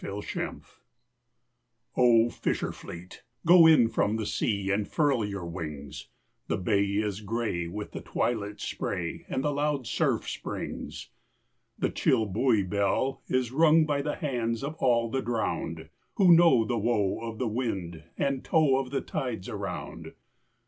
A SEA GHOST Oh, fisher fleet, go in from the sea And furl your wings. The bay is gray with the twilit spray And the loud surf springs. The chill buoy bell is rung by the hands Of all the drowned, Who know the woe of the wind and tow Of the tides around.